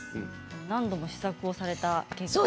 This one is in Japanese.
何度も試作をされた結果。